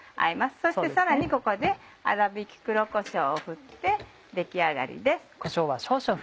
そしてさらにここで粗びき黒こしょうを振って出来上がりです。